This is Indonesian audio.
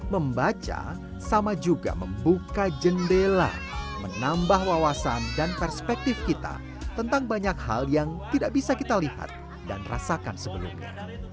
membaca sama juga membuka jendela menambah wawasan dan perspektif kita tentang banyak hal yang tidak bisa kita lihat dan rasakan sebelumnya